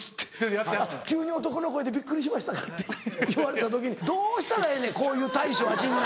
あっ急に男の声でびっくりしましたか？」って言われた時にどうしたらええねんこういう対処は陣内。